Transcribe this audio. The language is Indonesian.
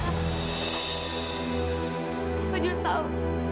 kak fadil tahu